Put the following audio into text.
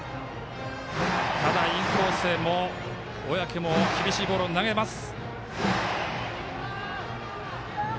インコースへ小宅も厳しいボールを投げます。